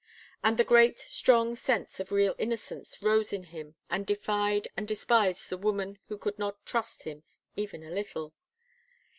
And the great, strong sense of real innocence rose in him and defied and despised the woman who could not trust him even a little.